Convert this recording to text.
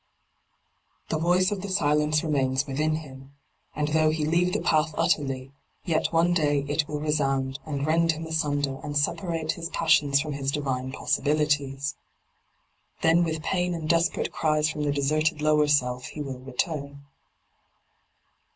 The voice of the silence remains within him, and though he leave the path utterly, yet one day it will resound and rend him asunder and separate his passions from his divine possibilities. Then with pain and desperate cries from the deserted lower self he will return.